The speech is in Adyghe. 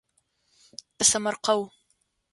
Тэсэмэркъэу.